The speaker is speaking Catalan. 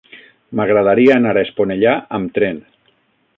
M'agradaria anar a Esponellà amb tren.